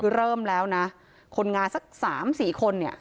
คือเริ่มแล้วนะคนงานสัก๓๔คนเนี่ย